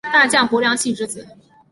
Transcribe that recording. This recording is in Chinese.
大将柏良器之子。